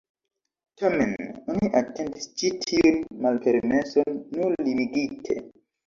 Tamen oni atentis ĉi tiun malpermeson nur limigite.